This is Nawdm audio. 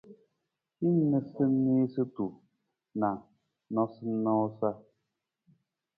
Hin niisaniisatu na noosanoosa.